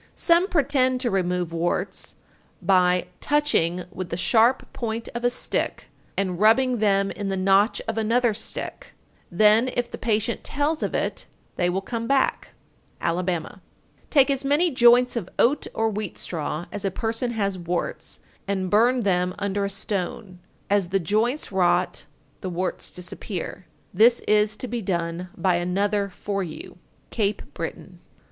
_ 924. Some pretend to remove warts by "touching with the sharp point of a stick and rubbing them in the notch of another stick; then if the patient tells of it, they will come back.[TN 8] Alabama. 925. Take as many joints of oat or wheat straw as a person has warts, and burn them under a stone. As the joints rot, the warts disappear. This is to be done by another for you. _Cape Breton.